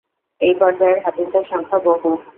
এই পর্যায়ের হাদীসের সংখ্যা বহু।